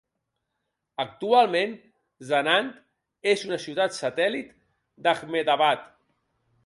Actualment, Sanand és una ciutat satèl·lit d'Ahmedabad.